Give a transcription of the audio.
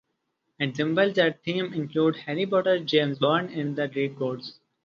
Examples of themes include 'Harry Potter', 'James Bond', and 'The Greek Gods'.